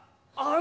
あ！